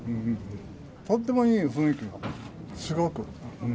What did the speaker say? とってもいい雰囲気の、すごく。